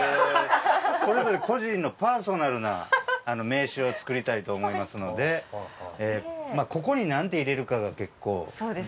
それぞれ個人のパーソナルな名刺を作りたいと思いますのでまあここになんて入れるかが結構重要なんですかね。